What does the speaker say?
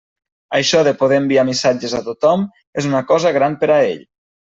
Això de poder enviar missatges a tothom és una cosa gran per a ell.